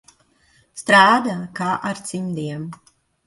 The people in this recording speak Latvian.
Strādā kā ar cimdiem.